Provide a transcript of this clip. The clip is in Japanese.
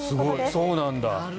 そうなんだ。